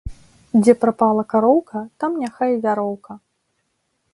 Дзе прапала кароўка, там няхай i вяроўка